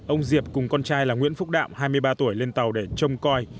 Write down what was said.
ông diệp cùng con trai là nguyễn phúc đạm hai mươi ba tuổi lên tàu để trông coi